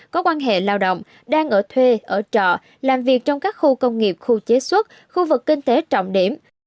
có quan hệ lao động đang ở thuê ở trọ làm việc trong các khu công nghiệp khu chế xuất khu vực kinh tế trọng điểm